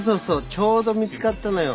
ちょうど見つかったのよ。